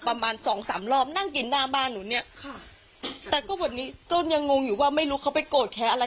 ประมาณสองสามรอบนั่งกินหน้าบ้านหนูเนี่ยค่ะแต่ก็วันนี้ต้นยังงงอยู่ว่าไม่รู้เขาไปโกรธแค้นอะไร